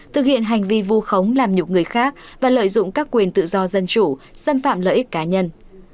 thực hiện hành vi vu khống làm nhục người khác và lợi dụng các quyền tự do dân chủ xâm phạm lợi ích cá nhân